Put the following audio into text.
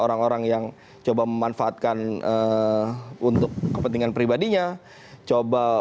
orang orang yang coba memanfaatkan untuk kepentingan pribadinya coba